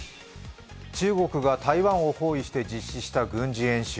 中国が台湾を包囲して実施した軍事演習。